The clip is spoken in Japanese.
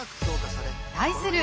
対する